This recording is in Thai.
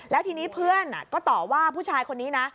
แล้วทีนี้เพื่อนก็ตอบว่าผู้ชายคนนี้นะ